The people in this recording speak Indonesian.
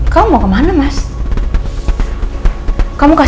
kok aku jadi gak bisa tidur ya